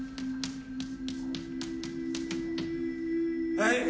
はい。